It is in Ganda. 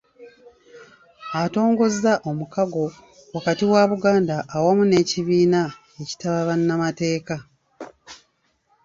Atongozza omukago wakati wa Buganda awamu n'ekibiina ekitaba bannamateeka